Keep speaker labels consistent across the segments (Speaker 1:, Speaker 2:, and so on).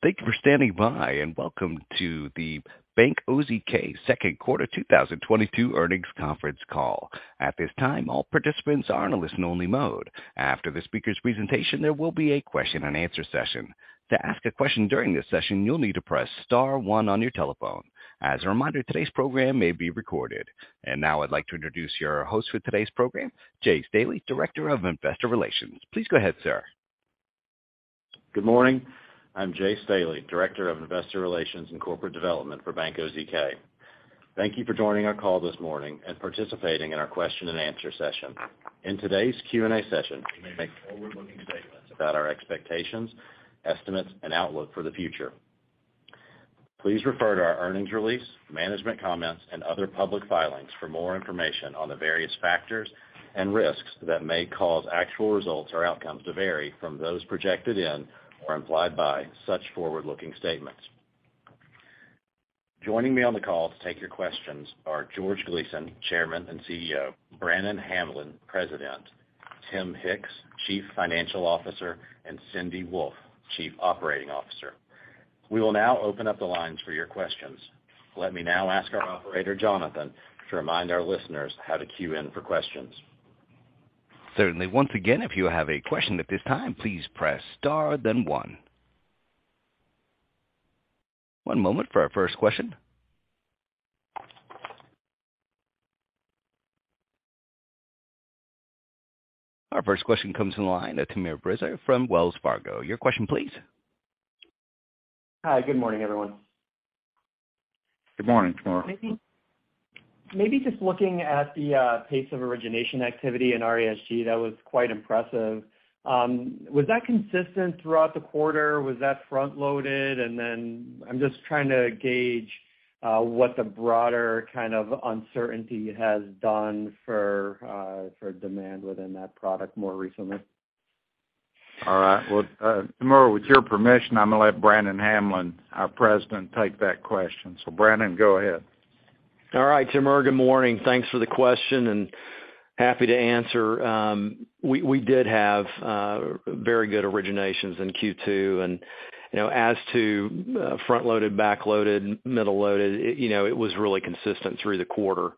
Speaker 1: Thank you for standing by, and welcome to the Bank OZK Second Quarter 2022 Earnings Conference Call. At this time, all participants are in a listen only mode. After the speaker's presentation, there will be a question and answer session. To ask a question during this session, you'll need to press star one on your telephone. As a reminder, today's program may be recorded. Now I'd like to introduce your host for today's program, Jay Staley, Director of Investor Relations. Please go ahead, sir.
Speaker 2: Good morning. I'm Jay Staley, Director of Investor Relations and Corporate Development for Bank OZK. Thank you for joining our call this morning and participating in our question and answer session. In today's Q&A session, we make forward-looking statements about our expectations, estimates, and outlook for the future. Please refer to our earnings release, management comments, and other public filings for more information on the various factors and risks that may cause actual results or outcomes to vary from those projected in or implied by such forward-looking statements. Joining me on the call to take your questions are George Gleason, Chairman and CEO, Brannon Hamblen, President, Tim Hicks, Chief Financial Officer, and Cindy Wolfe, Chief Operating Officer. We will now open up the lines for your questions. Let me now ask our operator, Jonathan, to remind our listeners how to queue in for questions.
Speaker 1: Certainly. Once again, if you have a question at this time, please press star then one. One moment for our first question. Our first question comes from the line of Timur Braziler from Wells Fargo. Your question please.
Speaker 3: Hi. Good morning, everyone.
Speaker 4: Good morning, Timur.
Speaker 3: Maybe just looking at the pace of origination activity in RESG, that was quite impressive. Was that consistent throughout the quarter? Was that front-loaded? I'm just trying to gauge what the broader kind of uncertainty has done for demand within that product more recently.
Speaker 4: All right. Well, Timur, with your permission, I'm gonna let Brannon Hamblen, our President, take that question. Brannon, go ahead.
Speaker 5: All right. Timur, good morning. Thanks for the question, and happy to answer. We did have very good originations in Q2. You know, as to front-loaded, back-loaded, middle-loaded, you know, it was really consistent through the quarter.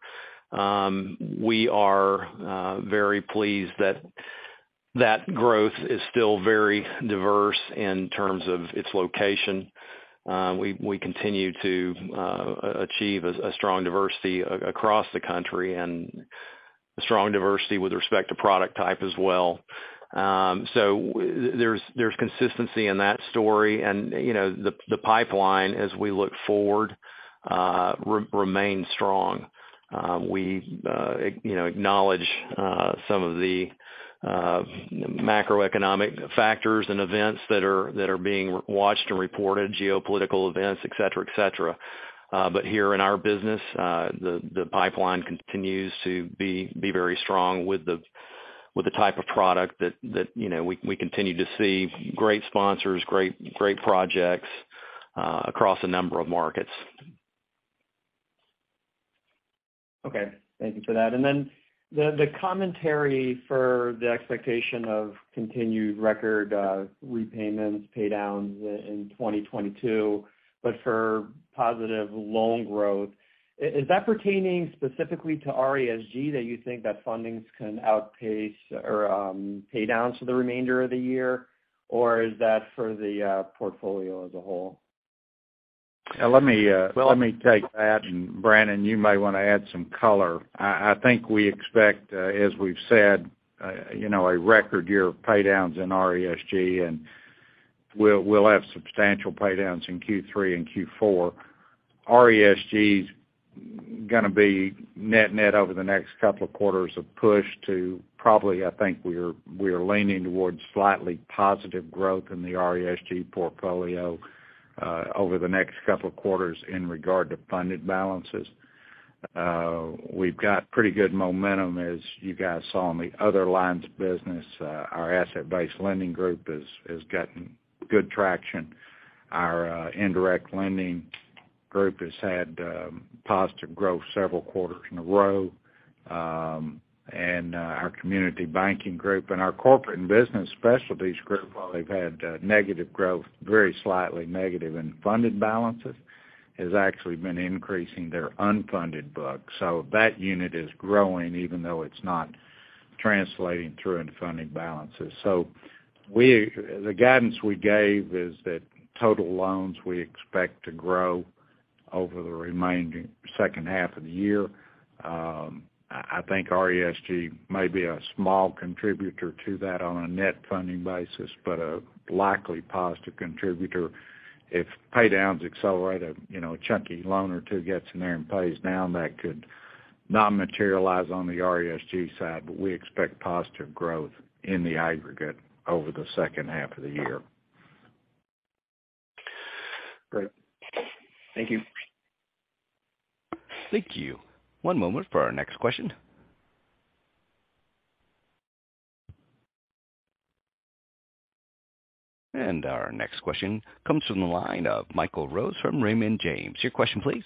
Speaker 5: We are very pleased that growth is still very diverse in terms of its location. We continue to achieve a strong diversity across the country and a strong diversity with respect to product type as well. There's consistency in that story. You know, the pipeline as we look forward remains strong. We you know, acknowledge some of the macroeconomic factors and events that are being watched and reported, geopolitical events, et cetera. Here in our business, the pipeline continues to be very strong with the type of product that, you know, we continue to see great sponsors, great projects across a number of markets.
Speaker 3: Okay. Thank you for that. The commentary for the expectation of continued record repayments, paydowns in 2022, but for positive loan growth, is that pertaining specifically to RESG, that you think that fundings can outpace or paydowns for the remainder of the year? Or is that for the portfolio as a whole?
Speaker 4: Let me take that. Brannon, you may wanna add some color. I think we expect, as we've said, you know, a record year of paydowns in RESG, and we'll have substantial paydowns in Q3 and Q4. RESG's gonna be net-net over the next couple of quarters of push to probably, I think, we're leaning towards slightly positive growth in the RESG portfolio, over the next couple of quarters in regard to funded balances. We've got pretty good momentum, as you guys saw in the other lines of business. Our asset-based lending group has gotten good traction. Our indirect lending group has had positive growth several quarters in a row. Our community banking group and our corporate and business specialties group, while they've had negative growth, very slightly negative in funded balances, has actually been increasing their unfunded book. That unit is growing even though it's not translating through into funded balances. The guidance we gave is that total loans we expect to grow over the remaining second half of the year. I think RESG may be a small contributor to that on a net funding basis, but a likely positive contributor. If paydowns accelerate, you know, a chunky loan or two gets in there and pays down, that could not materialize on the RESG side, but we expect positive growth in the aggregate over the second half of the year.
Speaker 3: Great. Thank you.
Speaker 1: Thank you. One moment for our next question. Our next question comes from the line of Michael Rose from Raymond James. Your question, please.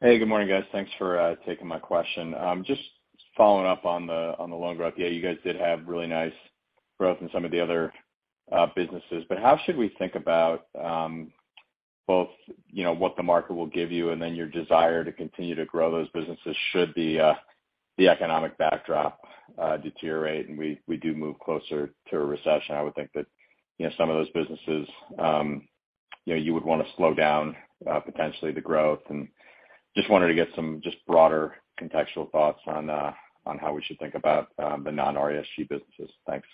Speaker 6: Hey, good morning, guys. Thanks for taking my question. Just following up on the loan growth. Yeah, you guys did have really nice growth in some of the other businesses. But how should we think about both, you know, what the market will give you and then your desire to continue to grow those businesses should the economic backdrop deteriorate and we do move closer to a recession? I would think that, you know, some of those businesses, you know, you would want to slow down potentially the growth. Just wanted to get some just broader contextual thoughts on how we should think about the non-RESG businesses. Thanks.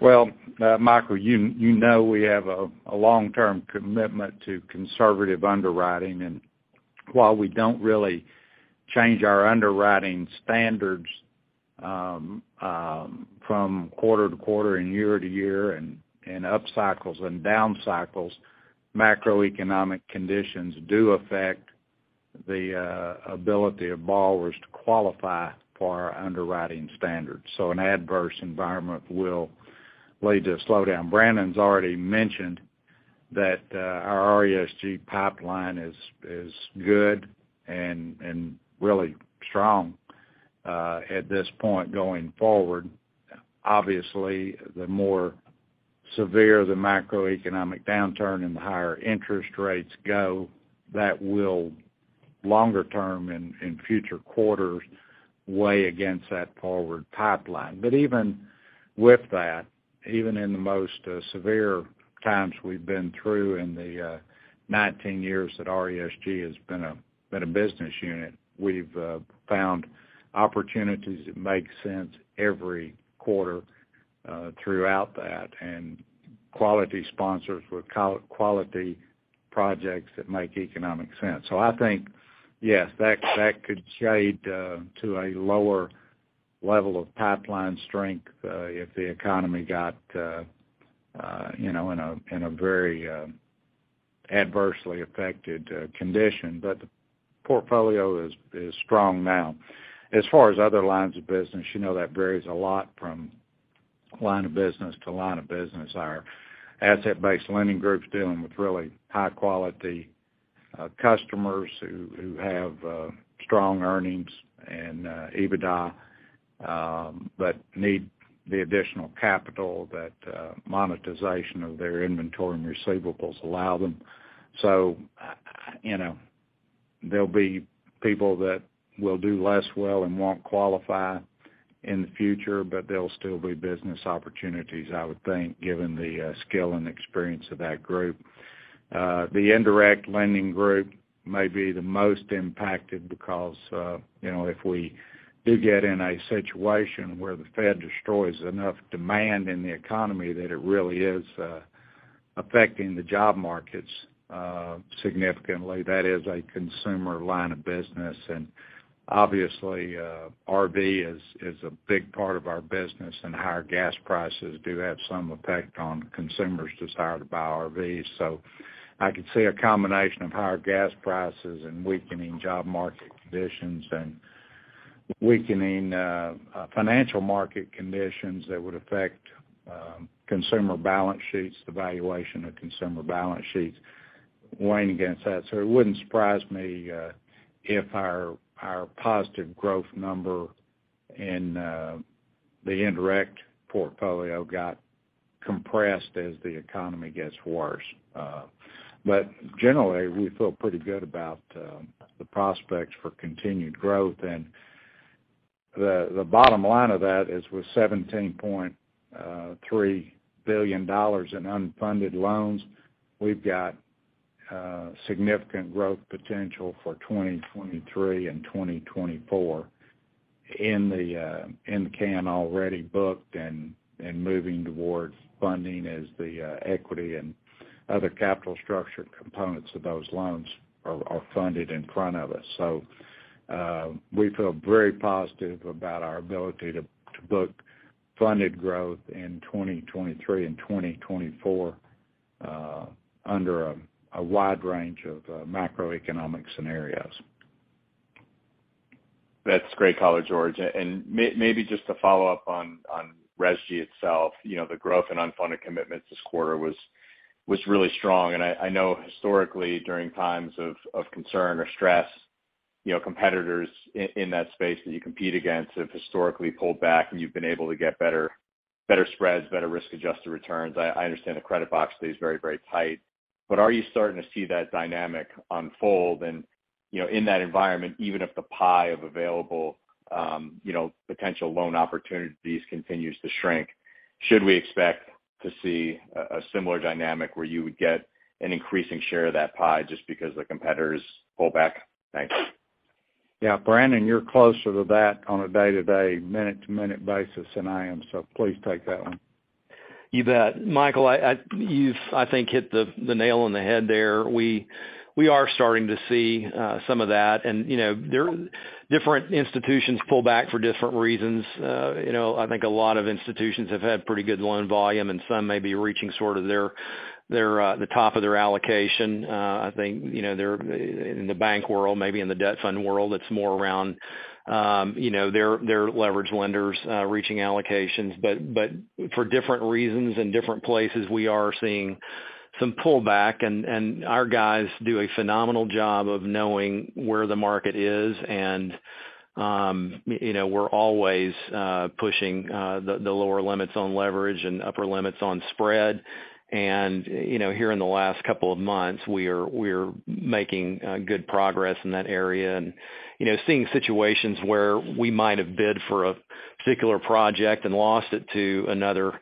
Speaker 4: Well, Michael, you know we have a long-term commitment to conservative underwriting. While we don't really change our underwriting standards from quarter to quarter and year to year and up cycles and down cycles, macroeconomic conditions do affect the ability of borrowers to qualify for our underwriting standards. An adverse environment will lead to a slowdown. Brannon's already mentioned that our RESG pipeline is good and really strong at this point going forward. Obviously, the more severe the macroeconomic downturn and the higher interest rates go, that will longer term in future quarters weigh against that forward pipeline. Even with that, even in the most severe times we've been through in the 19 years that RESG has been a business unit, we've found opportunities that make sense every quarter throughout that, and quality sponsors with quality projects that make economic sense. I think, yes, that could shade to a lower level of pipeline strength if the economy got you know, in a very adversely affected condition. The portfolio is strong now. As far as other lines of business, you know that varies a lot from line of business to line of business. Our asset-based lending group's dealing with really high quality customers who have strong earnings and EBITDA but need the additional capital that monetization of their inventory and receivables allow them. You know, there'll be people that will do less well and won't qualify in the future, but there'll still be business opportunities, I would think, given the skill and experience of that group. The indirect lending group may be the most impacted because you know, if we do get in a situation where the Fed destroys enough demand in the economy that it really is affecting the job markets significantly, that is a consumer line of business. Obviously, RV is a big part of our business, and higher gas prices do have some effect on consumers' desire to buy RVs. I could see a combination of higher gas prices and weakening job market conditions and weakening financial market conditions that would affect consumer balance sheets, the valuation of consumer balance sheets weighing against that. It wouldn't surprise me if our positive growth number in the indirect portfolio got compressed as the economy gets worse. Generally, we feel pretty good about the prospects for continued growth. The bottom line of that is with $17.3 billion in unfunded loans, we've got significant growth potential for 2023 and 2024 in the can already booked and moving towards funding as the equity and other capital structure components of those loans are funded in front of us. We feel very positive about our ability to book funded growth in 2023 and 2024 under a wide range of macroeconomic scenarios.
Speaker 6: That's great color, George. Maybe just to follow up on RESG itself, you know, the growth in unfunded commitments this quarter was really strong. I know historically during times of concern or stress, you know, competitors in that space that you compete against have historically pulled back, and you've been able to get better spreads, better risk-adjusted returns. I understand the credit box stays very, very tight. Are you starting to see that dynamic unfold? You know, in that environment, even if the pie of available, you know, potential loan opportunities continues to shrink, should we expect to see a similar dynamic where you would get an increasing share of that pie just because the competitors pull back? Thanks.
Speaker 4: Yeah. Brannon, you're closer to that on a day-to-day, minute-to-minute basis than I am, so please take that one.
Speaker 5: You bet. Michael, I think you've hit the nail on the head there. We are starting to see some of that. Different institutions pull back for different reasons. I think a lot of institutions have had pretty good loan volume and some may be reaching sort of the top of their allocation. I think they're in the bank world, maybe in the debt fund world, it's more around their leverage lenders reaching allocations, but for different reasons in different places, we are seeing some pullback, and our guys do a phenomenal job of knowing where the market is and, you know, we're always pushing the lower limits on leverage and upper limits on spread. You know, here in the last couple of months, we're making good progress in that area. You know, seeing situations where we might have bid for a particular project and lost it to another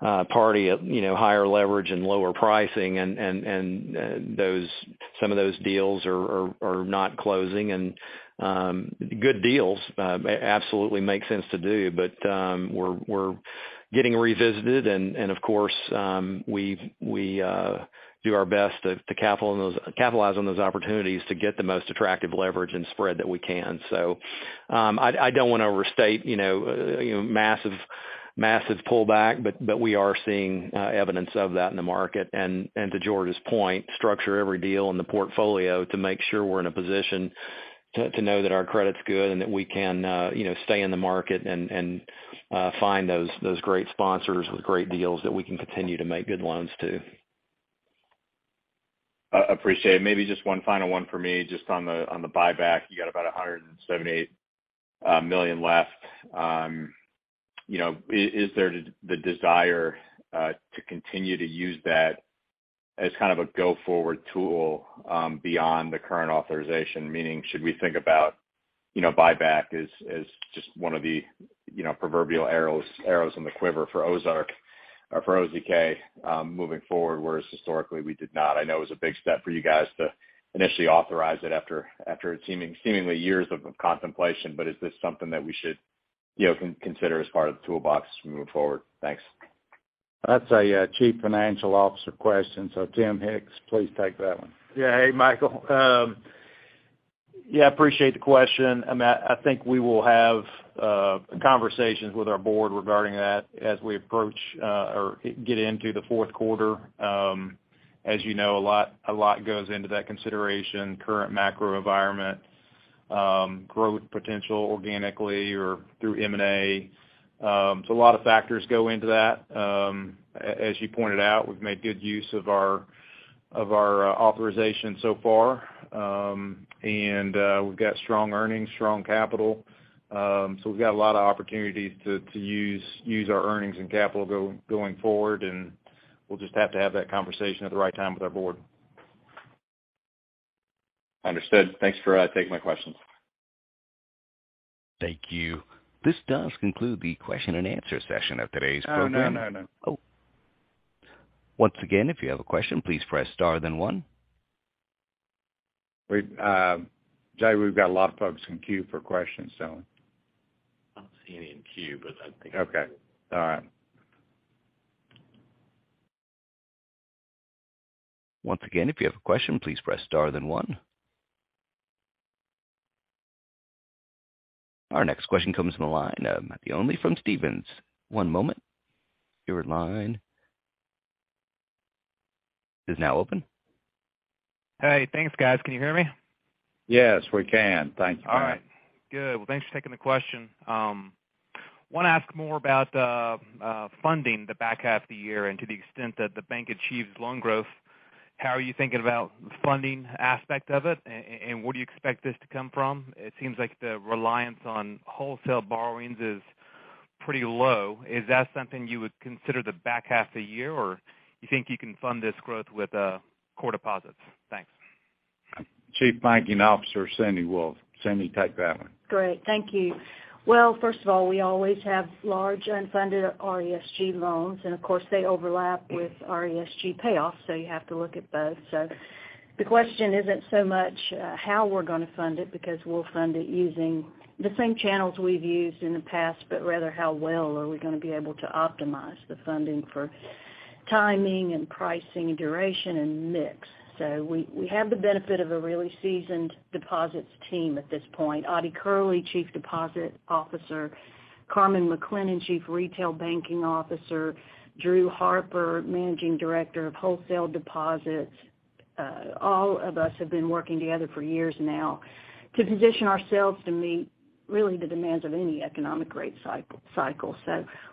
Speaker 5: party at you know higher leverage and lower pricing and some of those deals are not closing. Good deals absolutely make sense to do, but we're getting revisited and of course we do our best to capitalize on those opportunities to get the most attractive leverage and spread that we can. I don't wanna overstate you know massive pullback, but we are seeing evidence of that in the market. To George's point, structure every deal in the portfolio to make sure we're in a position to know that our credit's good and that we can, you know, stay in the market and find those great sponsors with great deals that we can continue to make good loans to.
Speaker 6: Appreciate it. Maybe just one final one for me just on the buyback. You got about $178 million left. You know, is there the desire to continue to use that as kind of a go forward tool beyond the current authorization? Meaning should we think about, you know, buyback as just one of the, you know, proverbial arrows in the quiver for OZK moving forward, whereas historically we did not? I know it was a big step for you guys to initially authorize it after seemingly years of contemplation, but is this something that we should, you know, consider as part of the toolbox as we move forward? Thanks.
Speaker 5: That's a Chief Financial Officer question, so Tim Hicks, please take that one.
Speaker 7: Yeah. Hey, Michael. Yeah, appreciate the question. I mean, I think we will have conversations with our board regarding that as we approach or get into the fourth quarter. As you know, a lot goes into that consideration, current macro environment, growth potential organically or through M&A. A lot of factors go into that. As you pointed out, we've made good use of our authorization so far. We've got strong earnings, strong capital. We've got a lot of opportunities to use our earnings and capital going forward, and we'll just have to have that conversation at the right time with our board.
Speaker 6: Understood. Thanks for taking my questions.
Speaker 1: Thank you. This does conclude the question and answer session of today's program.
Speaker 5: Oh, no, no.
Speaker 1: Oh. Once again, if you have a question, please press Star then one.
Speaker 5: Jay, we've got a lot of folks in queue for questions, so.
Speaker 2: I don't see any in queue, but I think.
Speaker 5: Okay. All right.
Speaker 1: Once again, if you have a question, please press Star then one. Our next question comes from the line of Matt Olney from Stephens. One moment. Your line is now open.
Speaker 8: Hey. Thanks, guys. Can you hear me?
Speaker 5: Yes, we can. Thanks, Matt.
Speaker 8: All right. Good. Well, thanks for taking the question. Wanna ask more about funding the back half of the year and to the extent that the bank achieves loan growth, how are you thinking about funding aspect of it, and where do you expect this to come from? It seems like the reliance on wholesale borrowings is pretty low. Is that something you would consider the back half of the year, or you think you can fund this growth with core deposits? Thanks.
Speaker 5: Chief Operating Officer, Cindy Wolfe. Cindy, take that one.
Speaker 9: Great. Thank you. Well, first of all, we always have large unfunded RESG loans, and of course, they overlap with RESG payoffs, so you have to look at both. The question isn't so much how we're gonna fund it because we'll fund it using the same channels we've used in the past, but rather how well are we gonna be able to optimize the funding for timing and pricing, duration and mix. We have the benefit of a really seasoned deposits team at this point. Audie Curley, Chief Deposit Officer, Carmen McLennan, Chief Retail Banking Officer, Drew Harper, Managing Director of Wholesale Deposits, all of us have been working together for years now to position ourselves to meet really the demands of any economic rate cycle.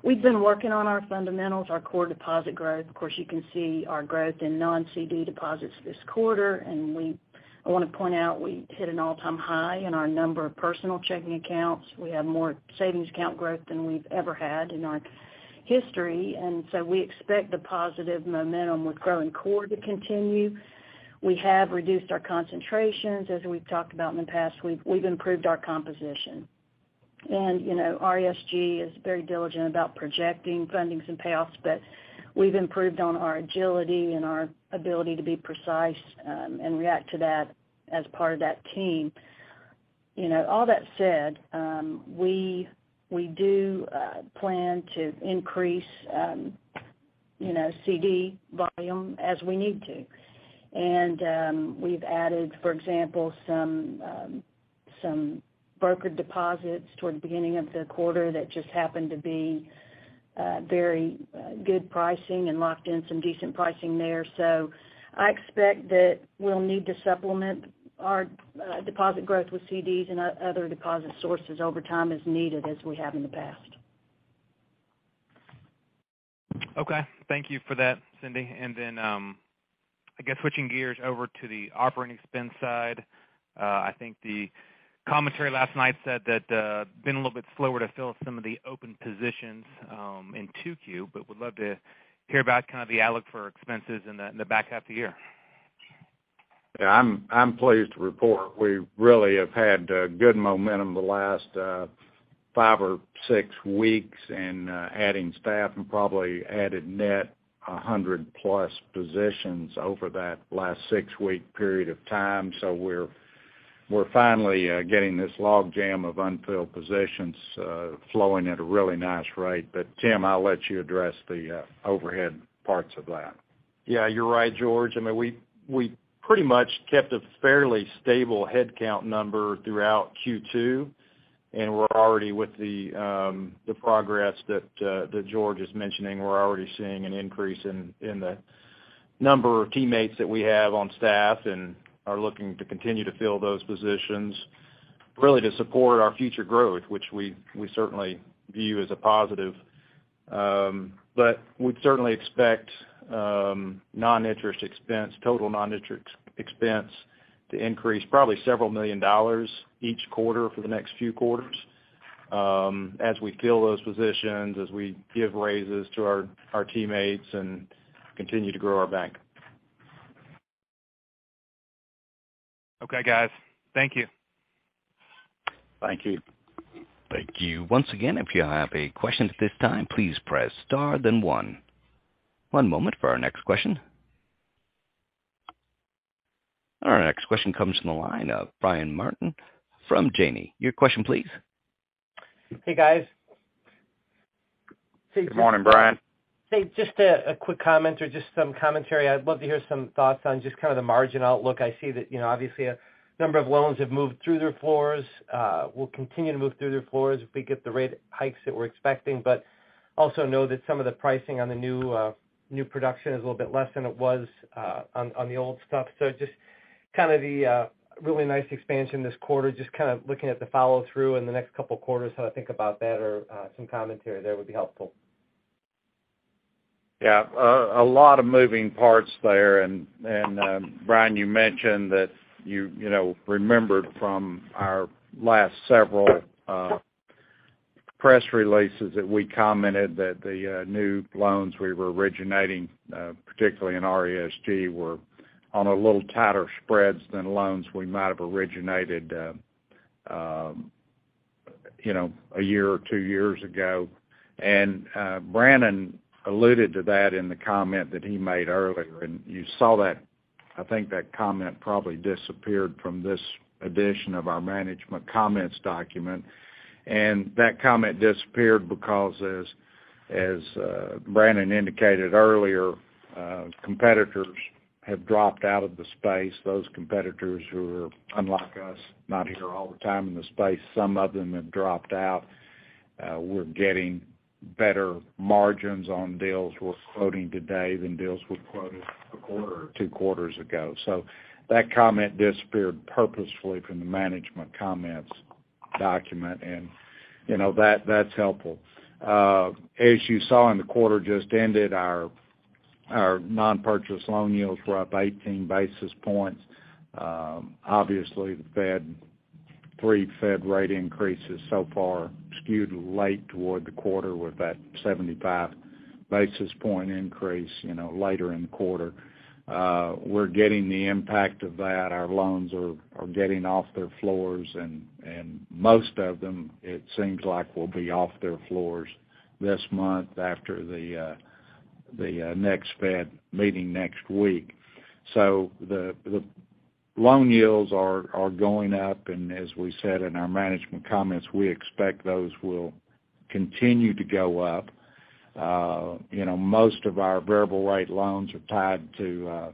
Speaker 9: We've been working on our fundamentals, our core deposit growth. Of course, you can see our growth in non-CD deposits this quarter, and I wanna point out we hit an all-time high in our number of personal checking accounts. We have more savings account growth than we've ever had in our history, and so we expect the positive momentum with growing core to continue. We have reduced our concentrations. As we've talked about in the past, we've improved our composition. You know, RESG is very diligent about projecting fundings and payoffs, but we've improved on our agility and our ability to be precise and react to that as part of that team. You know, all that said, we do plan to increase, you know, CD volume as we need to. We've added, for example, some broker deposits toward the beginning of the quarter that just happened to be very good pricing and locked in some decent pricing there. I expect that we'll need to supplement our deposit growth with CDs and other deposit sources over time as needed as we have in the past.
Speaker 8: Okay. Thank you for that, Cindy. I guess switching gears over to the operating expense side, I think the commentary last night said that been a little bit slower to fill some of the open positions in 2Q, but would love to hear about kind of the outlook for expenses in the back half of the year.
Speaker 4: Yeah, I'm pleased to report we really have had good momentum the last five or six weeks in adding staff and probably added net 100+ positions over that last six-week period of time. We're finally getting this log jam of unfilled positions flowing at a really nice rate. Tim, I'll let you address the overhead parts of that.
Speaker 7: Yeah, you're right, George. I mean, we pretty much kept a fairly stable headcount number throughout Q2, and we're already with the progress that George is mentioning. We're already seeing an increase in the number of teammates that we have on staff and are looking to continue to fill those positions really to support our future growth, which we certainly view as a positive. We'd certainly expect total non-interest expense to increase probably several million dollars each quarter for the next few quarters as we fill those positions, as we give raises to our teammates and continue to grow our bank.
Speaker 8: Okay, guys. Thank you.
Speaker 4: Thank you.
Speaker 1: Thank you. Once again, if you have a question at this time, please press star then one. One moment for our next question. Our next question comes from the line of Brian Martin from Janney. Your question, please.
Speaker 10: Hey, guys.
Speaker 4: Good morning, Brian.
Speaker 10: Hey, just a quick comment or just some commentary. I'd love to hear some thoughts on just kind of the margin outlook. I see that, you know, obviously a number of loans have moved through their floors, will continue to move through their floors if we get the rate hikes that we're expecting. Also know that some of the pricing on the new production is a little bit less than it was, on the old stuff. Just kind of the really nice expansion this quarter, just kind of looking at the follow-through in the next couple quarters, how to think about that or some commentary there would be helpful.
Speaker 4: Yeah. A lot of moving parts there. Brian, you mentioned that you know remembered from our last several press releases that we commented that the new loans we were originating particularly in RESG were on a little tighter spreads than loans we might have originated you know a year or two years ago. Brannon alluded to that in the comment that he made earlier. You saw that. I think that comment probably disappeared from this edition of our management comments document. That comment disappeared because Brannon indicated earlier competitors have dropped out of the space. Those competitors who are unlike us not here all the time in the space, some of them have dropped out. We're getting better margins on deals we're quoting today than deals we quoted a quarter or two quarters ago. That comment disappeared purposefully from the management comments document, and, you know, that's helpful. As you saw in the quarter just ended, our non-purchase loan yields were up 18 basis points. Obviously, the Fed, three Fed rate increases so far skewed late toward the quarter with that 75 basis point increase, you know, later in the quarter. We're getting the impact of that. Our loans are getting off their floors, and most of them, it seems like, will be off their floors this month after the next Fed meeting next week. The loan yields are going up. As we said in our management comments, we expect those will continue to go up. You know, most of our variable rate loans are tied to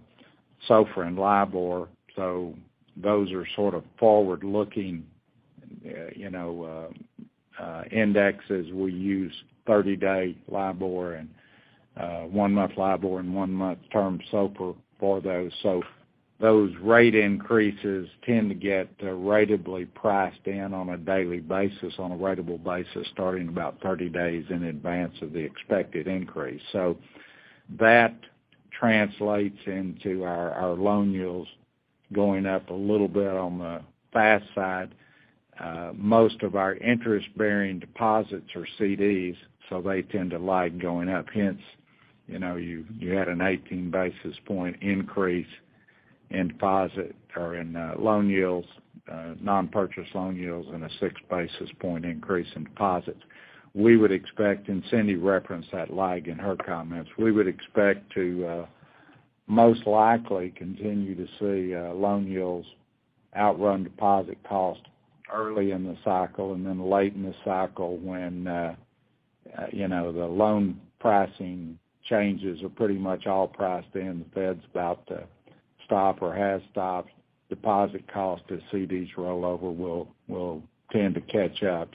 Speaker 4: SOFR and LIBOR, so those are sort of forward-looking indexes. We use 30 day LIBOR and one-month LIBOR and one-month term SOFR for those. Those rate increases tend to get ratably priced in on a daily basis, on a ratable basis starting about 30 days in advance of the expected increase. That translates into our loan yields going up a little bit on the fast side. Most of our interest-bearing deposits are CDs, so they tend to lag going up. Hence, you know, you had an 18 basis point increase in loan yields, non-purchase loan yields and a six basis point increase in deposits. We would expect, and Cindy referenced that lag in her comments, we would expect to most likely continue to see loan yields outrun deposit cost early in the cycle and then late in the cycle when you know, the loan pricing changes are pretty much all priced in. The Fed's about to stop or has stopped. Deposit cost as CDs roll over will tend to catch up.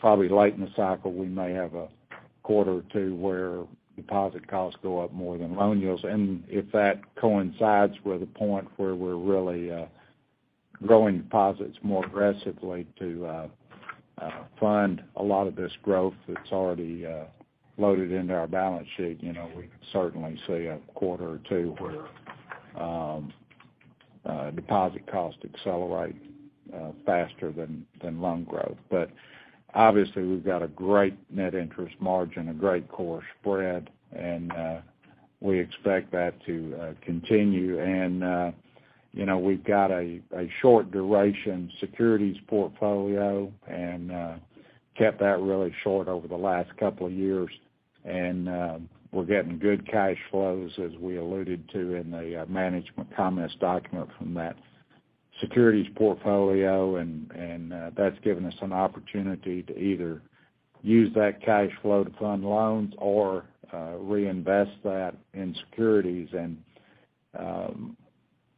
Speaker 4: Probably late in the cycle, we may have a quarter or two where deposit costs go up more than loan yields. If that coincides with a point where we're really growing deposits more aggressively to fund a lot of this growth that's already loaded into our balance sheet, you know, we could certainly see a quarter or two where deposit costs accelerate faster than loan growth. Obviously, we've got a great Net Interest Margin, a great core spread, and we expect that to continue. You know, we've got a short duration securities portfolio and kept that really short over the last couple of years. We're getting good cash flows, as we alluded to in the management comments document from that securities portfolio, and that's given us an opportunity to either use that cash flow to fund loans or reinvest that in securities.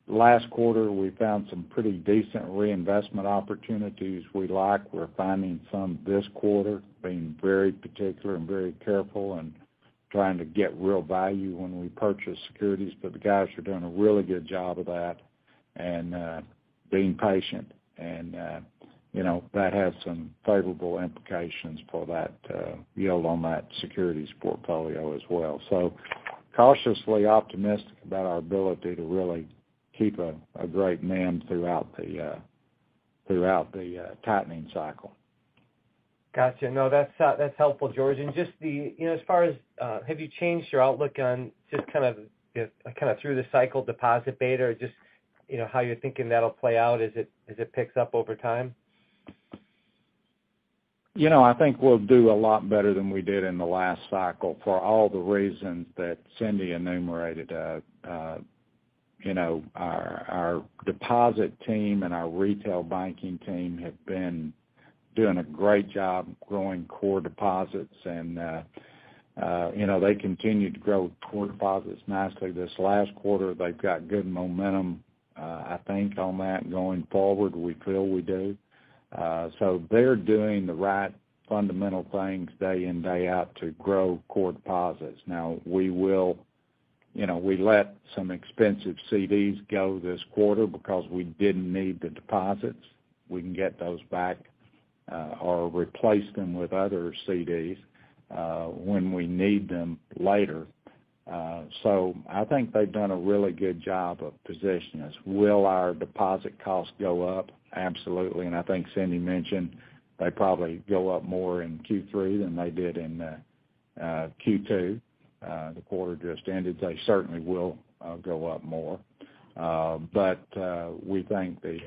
Speaker 4: Last quarter, we found some pretty decent reinvestment opportunities we like. We're finding some this quarter, being very particular and very careful and trying to get real value when we purchase securities. The guys are doing a really good job of that and being patient. You know, that has some favorable implications for that yield on that securities portfolio as well. Cautiously optimistic about our ability to really keep a great NIM throughout the tightening cycle.
Speaker 10: Gotcha. No, that's helpful, George. Just the, you know, as far as, have you changed your outlook on just kind of through the cycle deposit beta or just, you know, how you're thinking that'll play out as it picks up over time?
Speaker 4: You know, I think we'll do a lot better than we did in the last cycle for all the reasons that Cindy enumerated. You know, our deposit team and our retail banking team have been doing a great job growing core deposits. You know, they continued to grow core deposits nicely this last quarter. They've got good momentum, I think, on that going forward. We feel we do. They're doing the right fundamental things day in, day out to grow core deposits. Now, we will, you know, we let some expensive CDs go this quarter because we didn't need the deposits. We can get those back, or replace them with other CDs, when we need them later. I think they've done a really good job of positioning us. Will our deposit costs go up? Absolutely. I think Cindy mentioned they probably go up more in Q3 than they did in Q2, the quarter just ended. They certainly will go up more. We think the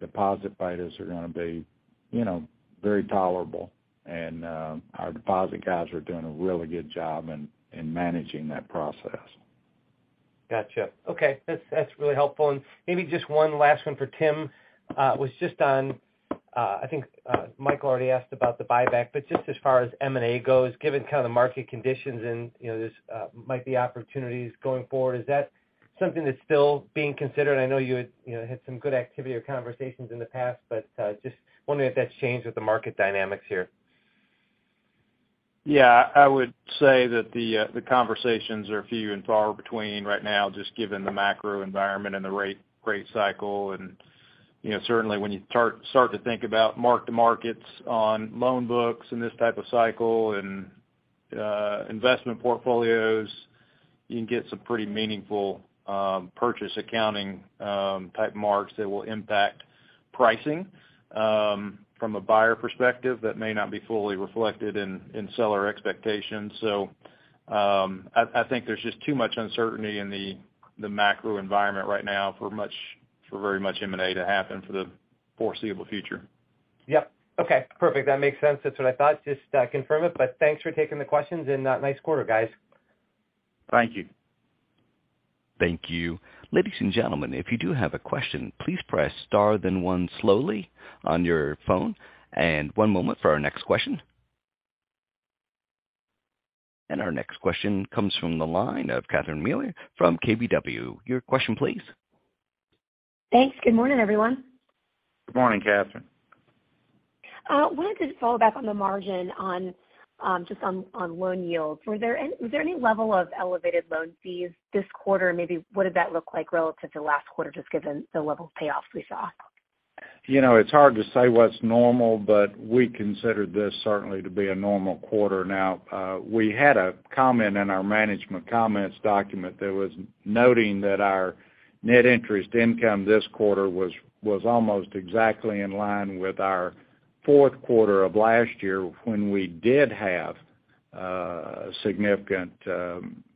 Speaker 4: deposit betas are gonna be, you know, very tolerable. Our deposit guys are doing a really good job in managing that process.
Speaker 10: Gotcha. Okay. That's really helpful. Maybe just one last one for Tim, was just on, I think, Michael already asked about the buyback, but just as far as M&A goes, given kind of the market conditions and, you know, this might be opportunities going forward, is that something that's still being considered? I know you had, you know, had some good activity or conversations in the past, but just wondering if that's changed with the market dynamics here.
Speaker 7: Yeah, I would say that the conversations are few and far between right now just given the macro environment and the rate cycle. You know, certainly when you start to think about mark-to-market on loan books in this type of cycle and investment portfolios, you can get some pretty meaningful purchase accounting type marks that will impact pricing. From a buyer perspective, that may not be fully reflected in seller expectations. I think there's just too much uncertainty in the macro environment right now for very much M&A to happen for the foreseeable future.
Speaker 10: Yep. Okay. Perfect. That makes sense. That's what I thought. Just confirm it. Thanks for taking the questions and nice quarter, guys.
Speaker 4: Thank you.
Speaker 1: Thank you. Ladies and gentlemen, if you do have a question, please press star then one slowly on your phone. One moment for our next question. Our next question comes from the line of Catherine Mealor from KBW. Your question, please.
Speaker 11: Thanks. Good morning, everyone.
Speaker 4: Good morning, Catherine.
Speaker 11: Wanted to follow back on the margin, just on loan yields. Was there any level of elevated loan fees this quarter? Maybe what did that look like relative to last quarter just given the level of payoffs we saw?
Speaker 4: You know, it's hard to say what's normal, but we consider this certainly to be a normal quarter. Now, we had a comment in our management comments document that was noting that our net interest income this quarter was almost exactly in line with our fourth quarter of last year when we did have significant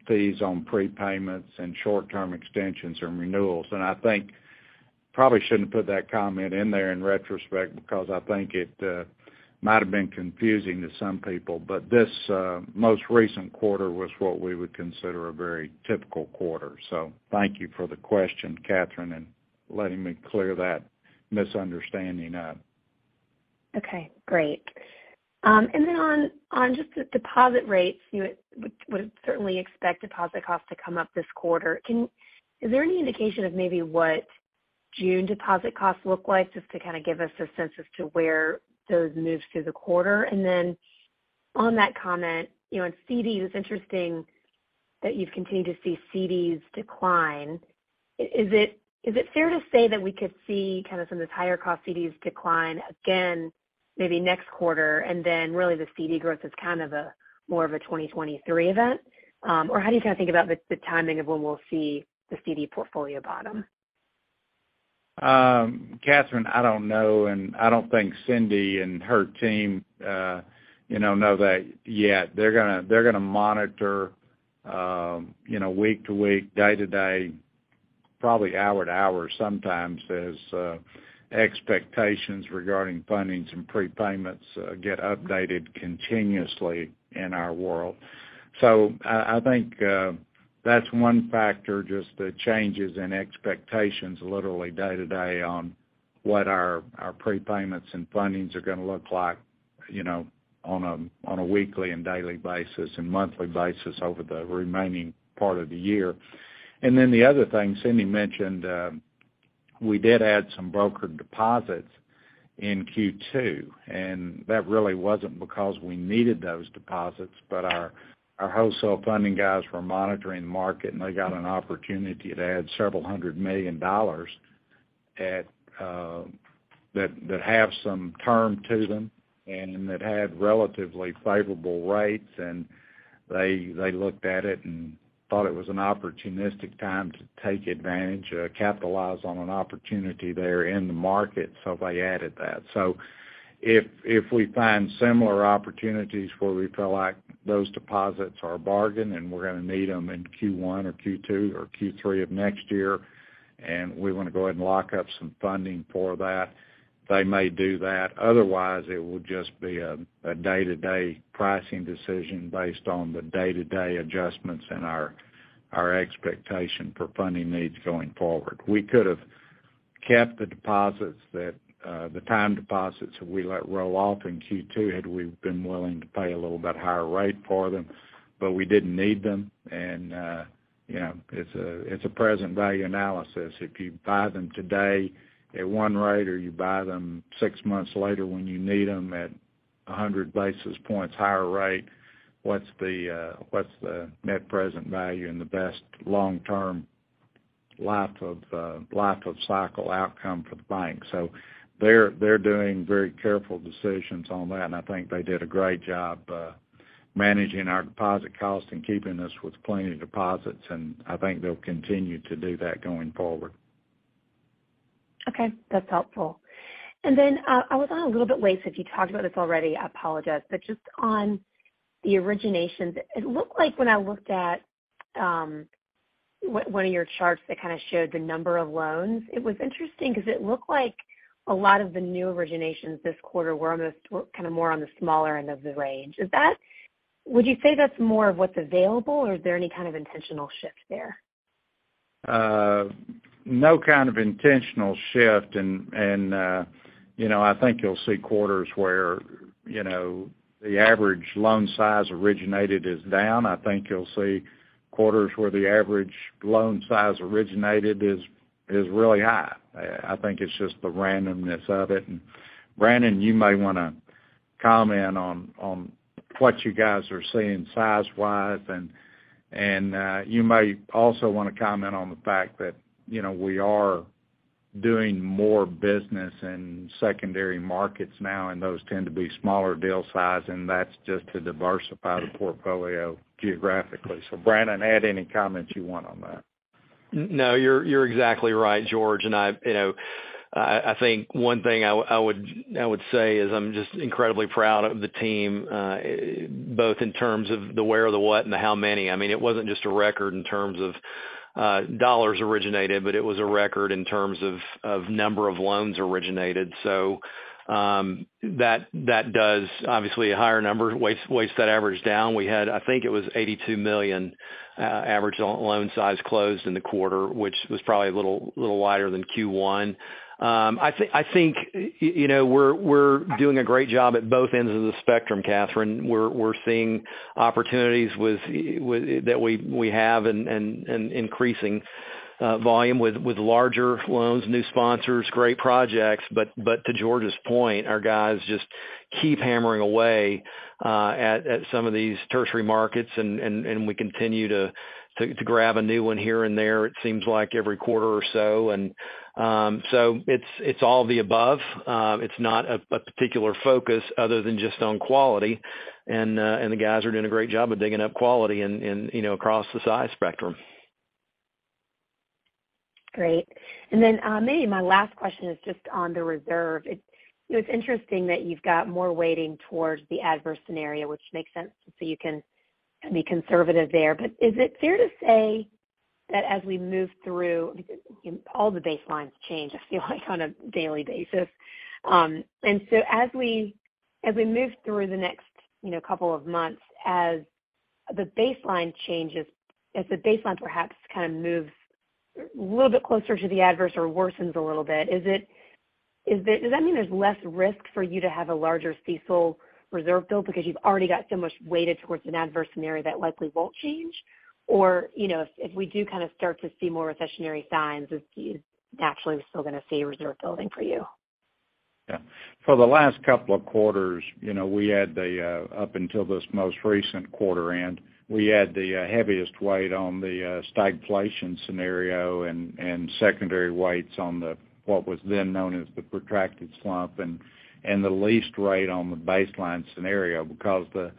Speaker 4: fees on prepayments and short-term extensions and renewals. I think probably shouldn't put that comment in there in retrospect because I think it might've been confusing to some people. This most recent quarter was what we would consider a very typical quarter. Thank you for the question, Catherine, and letting me clear that misunderstanding up.
Speaker 11: Okay, great. On just the deposit rates, you would certainly expect deposit costs to come up this quarter. Is there any indication of maybe what June deposit costs look like just to kinda give us a sense as to where those moves through the quarter? On that comment, you know, in CDs, it's interesting that you've continued to see CDs decline. Is it fair to say that we could see kind of some of those higher cost CDs decline again maybe next quarter, and then really the CD growth is kind of more of a 2023 event? Or how do you kinda think about the timing of when we'll see the CD portfolio bottom?
Speaker 4: Catherine, I don't know, and I don't think Cindy and her team, you know that yet. They're gonna monitor, you know, week to week, day to day, probably hour to hour sometimes as expectations regarding fundings and prepayments get updated continuously in our world. I think that's one factor, just the changes in expectations literally day to day on what our prepayments and fundings are gonna look like, you know, on a weekly and daily basis and monthly basis over the remaining part of the year. The other thing Cindy mentioned, we did add some brokered deposits in Q2, and that really wasn't because we needed those deposits, but our wholesale funding guys were monitoring the market, and they got an opportunity to add several hundred million dollars that have some term to them and that had relatively favorable rates. They looked at it and thought it was an opportunistic time to take advantage or capitalize on an opportunity there in the market. They added that. If we find similar opportunities where we feel like those deposits are a bargain, and we're gonna need them in Q1 or Q2 or Q3 of next year, and we wanna go ahead and lock up some funding for that, they may do that. Otherwise, it would just be a day-to-day pricing decision based on the day-to-day adjustments and our expectation for funding needs going forward. We could have kept the time deposits that we let roll off in Q2 had we been willing to pay a little bit higher rate for them, but we didn't need them. You know, it's a present value analysis. If you buy them today at one rate or you buy them six months later when you need them at 100 basis points higher rate, what's the net present value and the best long-term life of cycle outcome for the bank? They're doing very careful decisions on that, and I think they did a great job, managing our deposit cost and keeping us with plenty of deposits, and I think they'll continue to do that going forward.
Speaker 11: Okay, that's helpful. I was on a little bit late, so if you talked about this already, I apologize. Just on the originations, it looked like when I looked at one of your charts that kinda showed the number of loans, it was interesting 'cause it looked like a lot of the new originations this quarter were kind of more on the smaller end of the range. Is that? Would you say that's more of what's available, or is there any kind of intentional shift there?
Speaker 4: No kind of intentional shift. You know, I think you'll see quarters where, you know, the average loan size originated is down. I think you'll see quarters where the average loan size originated is really high. I think it's just the randomness of it. Brannon, you may wanna comment on what you guys are seeing size-wise, and you may also wanna comment on the fact that, you know, we are doing more business in secondary markets now, and those tend to be smaller deal size, and that's just to diversify the portfolio geographically. Brannon, add any comments you want on that.
Speaker 5: No, you're exactly right, George. You know, I think one thing I would say is I'm just incredibly proud of the team, both in terms of the where, the what, and the how many. I mean, it wasn't just a record in terms of dollars originated, but it was a record in terms of number of loans originated. That does obviously a higher number weights that average down. We had, I think it was $82 million average loan size closed in the quarter, which was probably a little wider than Q1. You know, I think we're doing a great job at both ends of the spectrum, Catherine. We're seeing opportunities with. that we have increasing volume with larger loans, new sponsors, great projects. To George's point, our guys just keep hammering away at some of these tertiary markets, and we continue to grab a new one here and there, it seems like every quarter or so. So it's all of the above. It's not a particular focus other than just on quality, and the guys are doing a great job of digging up quality in you know across the size spectrum.
Speaker 11: Great. Then, maybe my last question is just on the reserve. You know, it's interesting that you've got more weighting towards the adverse scenario, which makes sense, so you can be conservative there. Is it fair to say that as we move through, all the baselines change, I feel like on a daily basis. As we move through the next, you know, couple of months, as the baseline changes, as the baseline perhaps kind of moves a little bit closer to the adverse or worsens a little bit. Does that mean there's less risk for you to have a larger CECL reserve build because you've already got so much weighted towards an adverse scenario that likely won't change? You know, if we do kind of start to see more recessionary signs, is naturally we're still gonna see a reserve building for you?
Speaker 4: Yeah. For the last couple of quarters, you know, we had the heaviest weight on the stagflation scenario and secondary weights on what was then known as the protracted slump and the least weight on the baseline scenario. Because the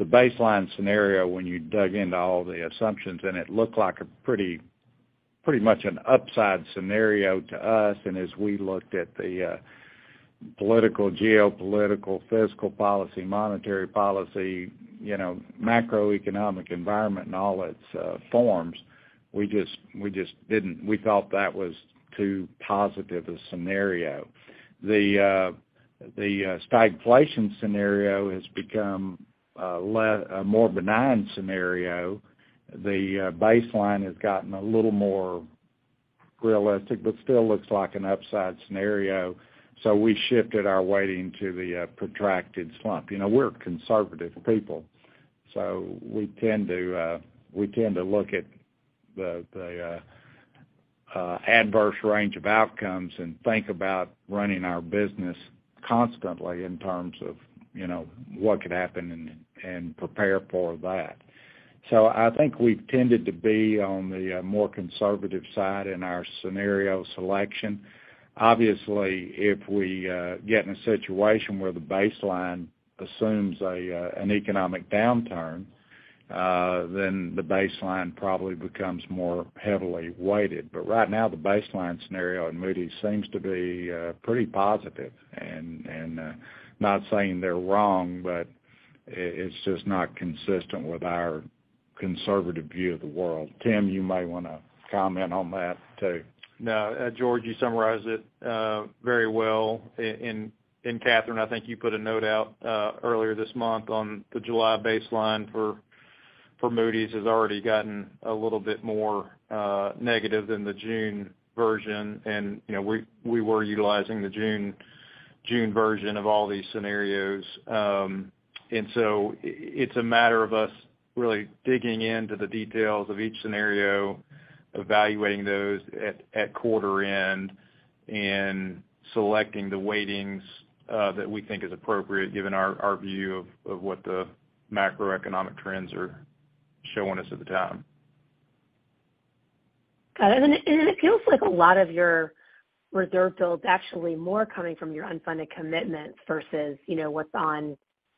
Speaker 4: baseline scenario, when you dug into all the assumptions, looked like a pretty much an upside scenario to us, and as we looked at the political, geopolitical, fiscal policy, monetary policy, you know, macroeconomic environment in all its forms, we just didn't. We thought that was too positive a scenario. The stagflation scenario has become a more benign scenario. The baseline has gotten a little more realistic, but still looks like an upside scenario. We shifted our weighting to the protracted slump. You know, we're conservative people, so we tend to look at the adverse range of outcomes and think about running our business constantly in terms of, you know, what could happen and prepare for that. I think we've tended to be on the more conservative side in our scenario selection. Obviously, if we get in a situation where the baseline assumes an economic downturn, then the baseline probably becomes more heavily weighted. Right now, the baseline scenario in Moody's seems to be pretty positive, not saying they're wrong, but it's just not consistent with our conservative view of the world. Tim, you might wanna comment on that too.
Speaker 7: No, George, you summarized it very well. Catherine, I think you put a note out earlier this month on the July baseline for Moody's, has already gotten a little bit more negative than the June version. You know, we were utilizing the June version of all these scenarios. It's a matter of us really digging into the details of each scenario, evaluating those at quarter end, and selecting the weightings that we think is appropriate given our view of what the macroeconomic trends are showing us at the time.
Speaker 11: Got it. It feels like a lot of your reserve build's actually more coming from your unfunded commitment versus, you know, what's on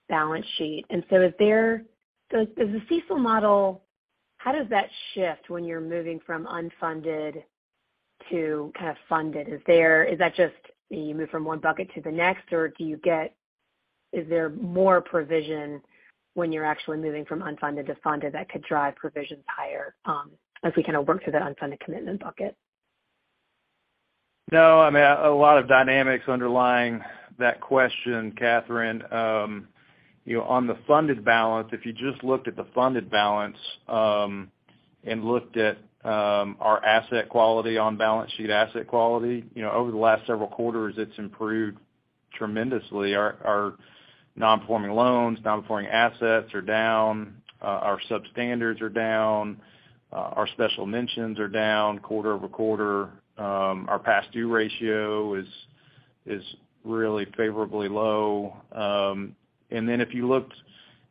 Speaker 11: balance sheet. Does the CECL model, how does that shift when you're moving from unfunded to kind of funded? Is that just you move from one bucket to the next, or is there more provision when you're actually moving from unfunded to funded that could drive provisions higher, as we kind of work through that unfunded commitment bucket?
Speaker 7: No, I mean, a lot of dynamics underlying that question, Catherine. You know, on the funded balance, if you just looked at the funded balance and looked at our asset quality on balance sheet asset quality, you know, over the last several quarters it's improved tremendously. Our non-performing loans, non-performing assets are down. Our substandards are down. Our special mentions are down quarter-over-quarter. Our past due ratio is really favorably low. If you looked,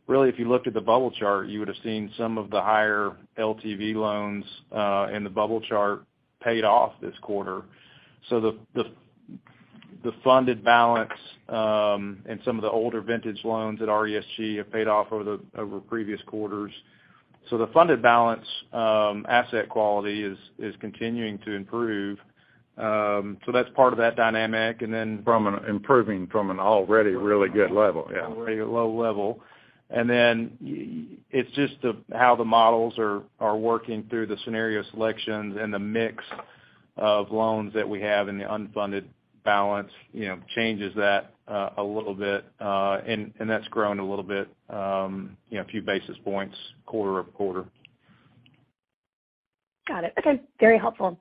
Speaker 7: really, if you looked at the bubble chart, you would've seen some of the higher LTV loans in the bubble chart paid off this quarter. The funded balance and some of the older vintage loans at RESG have paid off over previous quarters. The funded balance asset quality is continuing to improve. That's part of that dynamic.
Speaker 4: Improving from an already really good level. Yeah.
Speaker 7: Already a low level. It's just how the models are working through the scenario selections and the mix of loans that we have in the unfunded balance, you know, changes that a little bit. That's grown a little bit, you know, a few basis points quarter-over-quarter.
Speaker 11: Got it. Okay. Very helpful.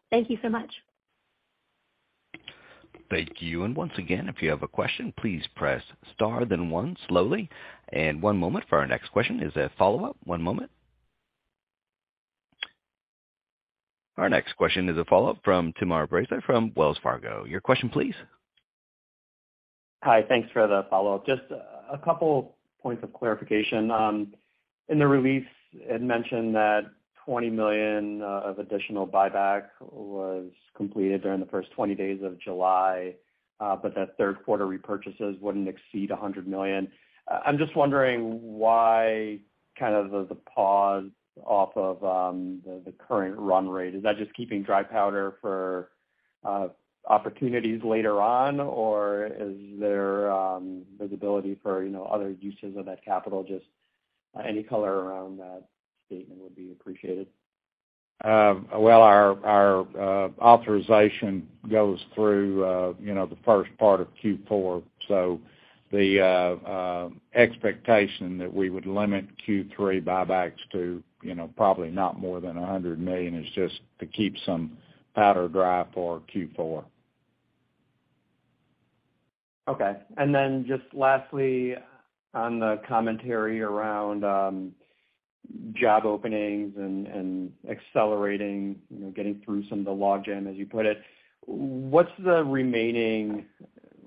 Speaker 11: Thank you so much.
Speaker 1: Thank you. Once again, if you have a question, please press Star then One slowly. One moment for our next question is a follow-up. One moment. Our next question is a follow-up from Timur Braziler from Wells Fargo. Your question please.
Speaker 3: Hi. Thanks for the follow-up. Just a couple points of clarification. In the release, it mentioned that $20 million of additional buyback was completed during the first 20 days of July, but that third quarter repurchases wouldn't exceed $100 million. I'm just wondering why kind of the pause off of the current run rate. Is that just keeping dry powder for opportunities later on, or is there visibility for, you know, other uses of that capital? Just any color around that statement would be appreciated.
Speaker 4: Well, our authorization goes through, you know, the first part of Q4. The expectation that we would limit Q3 buybacks to, you know, probably not more than $100 million is just to keep some powder dry for Q4.
Speaker 3: Okay. Then just lastly, on the commentary around job openings and accelerating, you know, getting through some of the logjam, as you put it, what's the remaining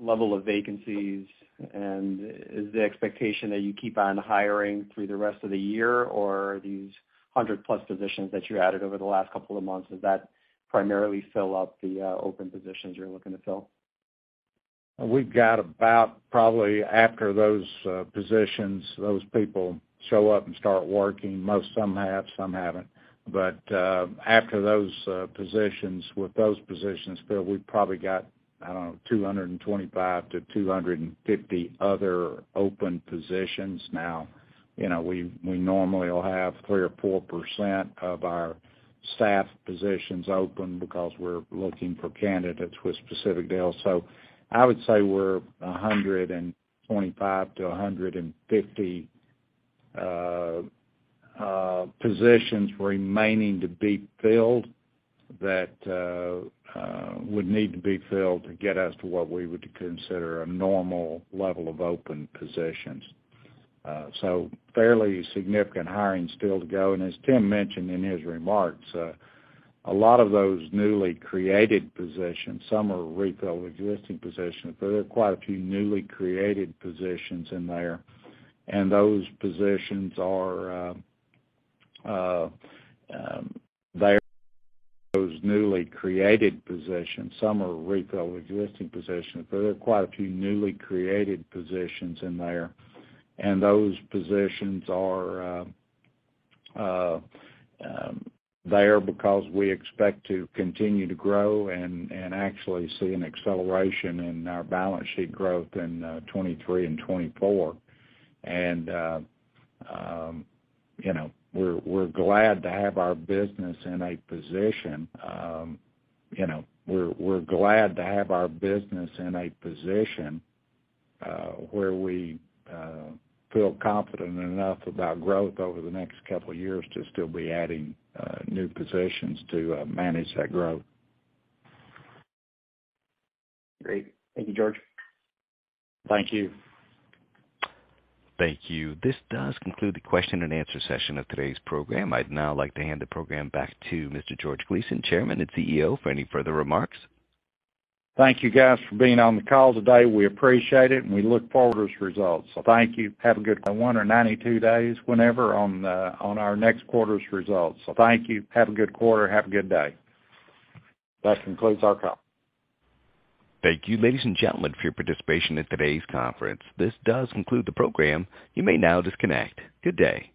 Speaker 3: level of vacancies? Is the expectation that you keep on hiring through the rest of the year? Or are these 100+ positions that you added over the last couple of months, does that primarily fill up the open positions you're looking to fill?
Speaker 4: We've got about probably after those positions, those people show up and start working. Most have, some haven't. After those positions with those positions filled, we've probably got, I don't know, 225-250 other open positions now. You know, we normally will have 3%-4% of our staff positions open because we're looking for candidates with specific deals. I would say we're 125-150 positions remaining to be filled that would need to be filled to get us to what we would consider a normal level of open positions. Fairly significant hiring still to go. As Tim mentioned in his remarks, a lot of those newly created positions, some are refills of existing positions, but there are quite a few newly created positions in there, and those positions are there because we expect to continue to grow and actually see an acceleration in our balance sheet growth in 2023 and 2024. You know, we're glad to have our business in a position where we feel confident enough about growth over the next couple of years to still be adding new positions to manage that growth.
Speaker 3: Great. Thank you, George.
Speaker 4: Thank you.
Speaker 1: Thank you. This does conclude the question-and-answer session of today's program. I'd now like to hand the program back to Mr. George Gleason, Chairman and CEO, for any further remarks.
Speaker 4: Thank you, guys, for being on the call today. We appreciate it, and we look forward to those results. Thank you. Have a good one or 92 days, whenever, on our next quarter's results. Thank you. Have a good quarter. Have a good day. That concludes our call.
Speaker 1: Thank you, ladies and gentlemen, for your participation in today's conference. This does conclude the program. You may now disconnect. Good day.